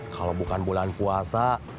kalau bukan bulan puasa